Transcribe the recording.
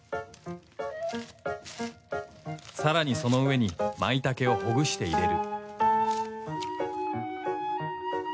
更にその上にまいたけをほぐして入れる